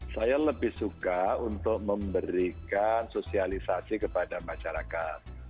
saya lebih suka untuk memberikan sosialisasi kepada masyarakat